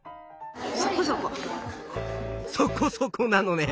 そこそこなのね。